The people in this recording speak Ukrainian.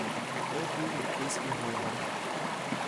То був якийсь ігумен.